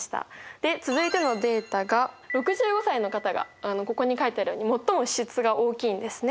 で続いてのデータが６５歳の方がここに書いてあるように最も支出が大きいんですね。